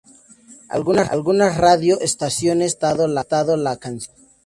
Algunas radio estaciones han vetado la canción.